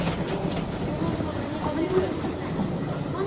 もう塩もみも何にもせず？